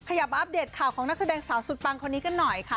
ขยับอัปเดตข่าวของนักแสดงสาวสุดปังคนนี้กันหน่อยค่ะ